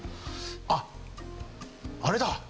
あっあれだ！